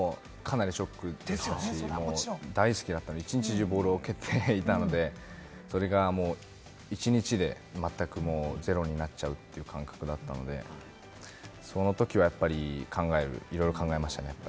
かなりショックでしたし、大好きだったので、一日中ボールを蹴っていたので、それが一日でまったくゼロになっちゃうという感覚だったので、その時はやっぱり、いろいろ考えましたね。